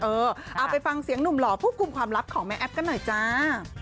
เอาไปฟังเสียงหนุ่มหล่อผู้คุมความลับของแม่แอ๊บกันหน่อยจ้า